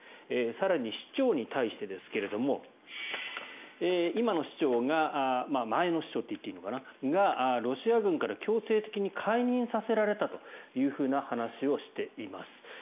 更に、市長に対してですが今の市長が前の市長といっていいのかがロシア軍から強制的に解任させられたという話をしています。